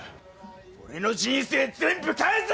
俺の人生全部返せ！